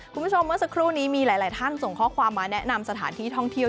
คุณผู้ชมเมื่อสักครู่นี้มีหลายท่านส่งข้อความมาแนะนำสถานที่ท่องเที่ยว